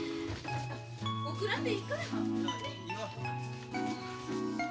送らんでいいから。